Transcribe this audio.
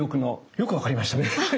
よく分かりましたね！